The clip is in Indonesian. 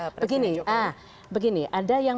presiden jokowi begini ada yang